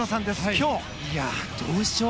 今日、どうでしょう。